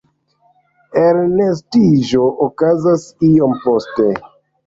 Elnestiĝo okazas iom poste.